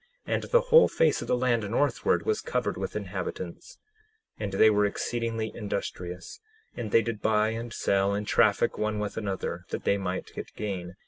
And the whole face of the land northward was covered with inhabitants. 10:22 And they were exceedingly industrious, and they did buy and sell and traffic one with another, that they might get gain.